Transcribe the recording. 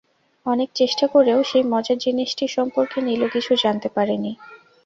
অনেক চেষ্টা করেও সেই মজার জিনিসটি সম্পর্কে নীলু কিছু জানতে পারে নি।